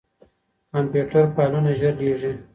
کمپيوټر فايلونه ژر لېږي.